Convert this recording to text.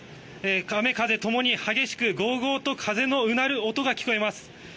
雨風共に激しくゴーゴーと風のうなる音が聞こえます。